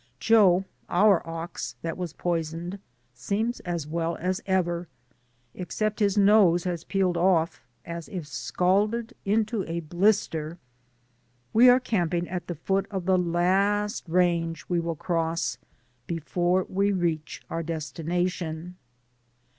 Joe, our ox that was poisoned, seems as well as ever, except his nose has peeled off as if scalded into a blister. We are camping at the foot of the last range we will cross before we reach our des tination.